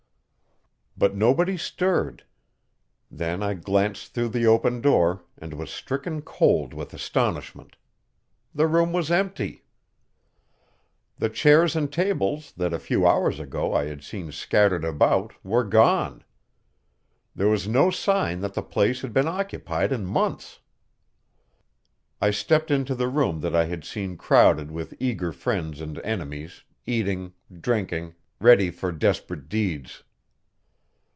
But nobody stirred. Then I glanced through the open door, and was stricken cold with astonishment. The room was empty! The chairs and tables that a few hours ago I had seen scattered about were gone. There was no sign that the place had been occupied in months. I stepped into the room that I had seen crowded with eager friends and enemies, eating, drinking, ready for desperate deeds.